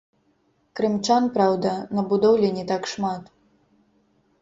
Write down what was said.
Крымчан, праўда, на будоўлі не так шмат.